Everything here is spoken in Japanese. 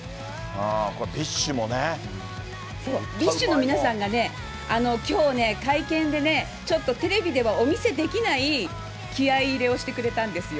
ビッシュもね、そう、ビッシュの皆さんがね、きょうね、会見でね、ちょっとテレビではお見せできない気合い入れをしてくれたんですよ。